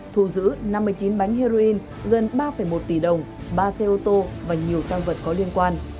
thu giữ năm mươi chín bánh heroin gần ba một tỷ đồng ba xe ô tô và nhiều tăng vật có liên quan